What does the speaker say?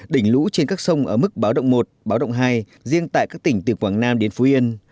đỉnh lũ trên các sông ở mức báo động một báo động hai riêng tại các tỉnh từ quảng nam đến phú yên